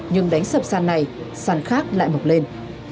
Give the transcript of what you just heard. nhưng đánh sập sàn này săn khác lại mọc lên